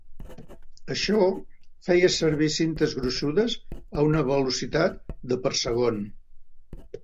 Això feia servir cintes gruixudes a una velocitat de per segon.